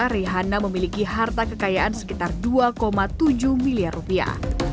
rehana memiliki harta kekayaan sekitar dua lima juta